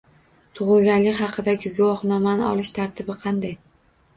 Tug‘ilganlik haqidagi guvohnomani olish tartibi qanday?